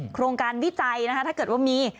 โครงการวิจัยนะคะถ้าเกิดว่ามี